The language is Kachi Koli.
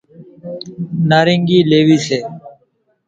نارينگي ليوي سي،